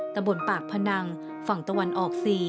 ตำบลปากพนังฝั่งตะวันออก๔